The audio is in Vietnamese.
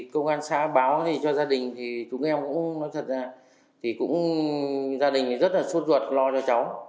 công an xã báo cho gia đình chúng em cũng nói thật ra gia đình rất là suốt ruột lo cho cháu